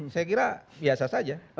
saya kira biasa saja